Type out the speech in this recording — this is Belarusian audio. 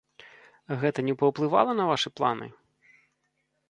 Гэта не паўплывала на вашы планы?